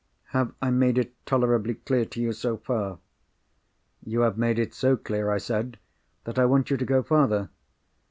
Have I made it tolerably clear to you so far?" "You have made it so clear," I said, "that I want you to go farther.